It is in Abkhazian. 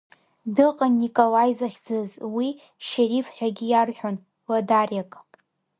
Дыҟан Николаи захьӡыз, уи Шьариф ҳәагьы иарҳәон, Ладариак.